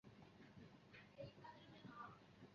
瓦雷姆区为比利时列日省辖下的一个区。